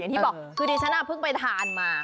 ที่บอกคือดิฉันเพิ่งไปทานมา